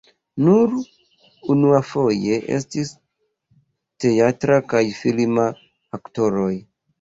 Nur unuafoje estis teatra kaj filma aktoroj.